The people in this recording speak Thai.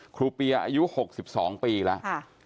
เปียอายุ๖๒ปีแล้ว